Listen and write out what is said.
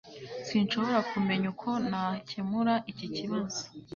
Sinshobora kumenya uko nakemura iki kibazo